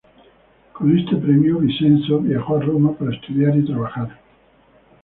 Con este premio, Vicenzo viajó a Roma para estudiar y trabajar.